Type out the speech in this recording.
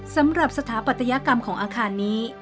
สำหรับสถาปัตยกรรมของอาคารนี้